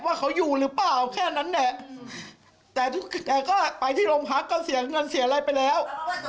ว่าเขาอยู่หรือเปล่าแค่นั้นแหละแต่ก็ไปที่โรงพักก็เสียเงินเสียอะไรไปแล้ว